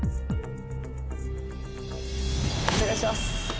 お願いします。